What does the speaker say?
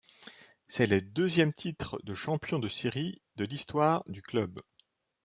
C'est le deuxième titre de champion de Syrie de l'histoire du club.